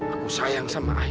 ada yang lain